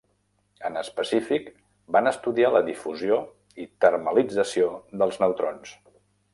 En específic, van estudiar la difusió i termalització dels neutrons.